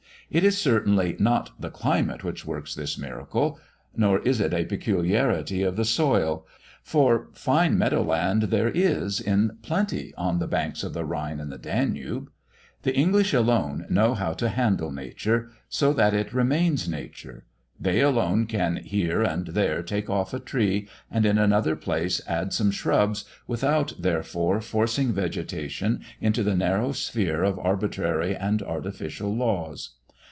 It is certainly not the climate which works this miracle, nor is it a peculiarity of the soil, for fine meadow land there is in plenty on the banks of the Rhine and the Danube. The English alone know how to handle Nature, so that it remains nature; they alone can here and there take off a tree, and in another place add some shrubs, without, therefore, forcing vegetation into the narrow sphere of arbitrary and artificial laws.